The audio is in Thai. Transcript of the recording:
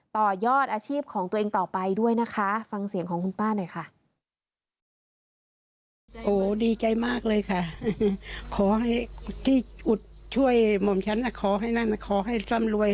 ต่อยอดอาชีพของตัวเองต่อไปด้วยนะคะฟังเสียงของคุณป้าหน่อยค่ะ